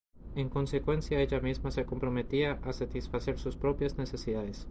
En consecuencia, ella misma se comprometía a satisfacer sus propias necesidades.